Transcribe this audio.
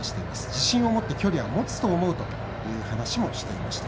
自信を持って距離は持つと思うと話もしていました。